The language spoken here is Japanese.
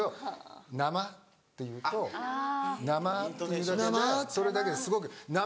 「生」って言うと「生」って言うだけでそれだけですごく。